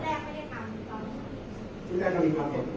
แต่ว่าไม่มีปรากฏว่าถ้าเกิดคนให้ยาที่๓๑